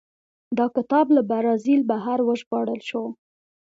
دا کتاب له برازیل بهر وژباړل شو.